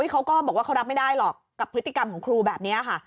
เขาก็บอกว่าเขารับไม่ได้หรอกกับพฤติกรรมของครูแบบนี้ค่ะ